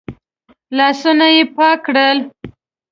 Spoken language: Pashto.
لاسونه يې پاک کړل.